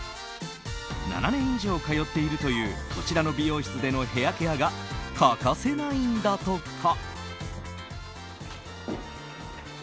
７年以上通っているというこちらの美容室でのヘアケアが欠かせないんだとか。